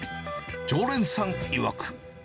常連さんいわく。